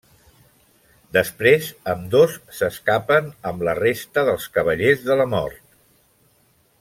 Després ambdós s'escapen amb la resta dels cavallers de la mort.